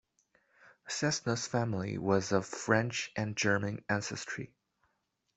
Cessna's family was of French and German ancestry.